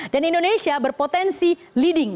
dan indonesia berpotensi leading